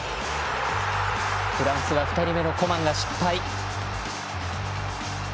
フランスは２人目のコマンが失敗。